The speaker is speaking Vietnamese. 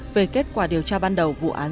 về kết quả điều tra ban đầu vụ án